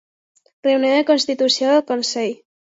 Reunió de constitució del Consell.